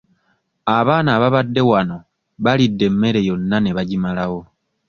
Abaana ababadde wano balidde emmere yonna ne bagimalawo.